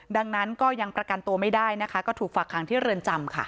ดังนั้นก็ยังประกันตัวไม่ได้นะคะก็ถูกฝากหางที่เรือนจำค่ะ